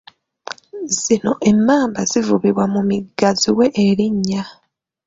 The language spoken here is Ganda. Zino emmamba zivubibwa mu migga ziwe erinnya.